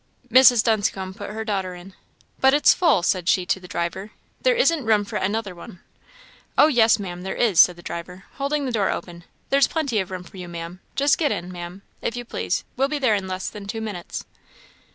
Mrs. Dunscombe put her daughter in. "But it's full!" said she to the driver; "there isn't room for another one!" "Oh yes, Maam, there is," said the driver, holding the door open "there's plenty of room for you, Maam just get in, Maam, if you please we'll be there in less than two minutes."